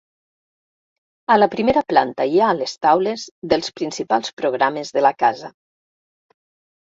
A la primera planta hi ha les taules dels principals programes de la casa.